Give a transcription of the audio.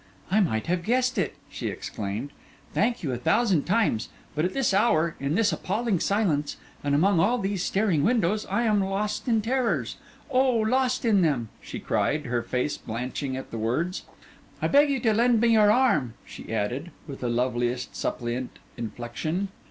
'I might have guessed it!' she exclaimed. 'Thank you a thousand times! But at this hour, in this appalling silence, and among all these staring windows, I am lost in terrors—oh, lost in them!' she cried, her face blanching at the words. 'I beg you to lend me your arm,' she added with the loveliest, suppliant inflection.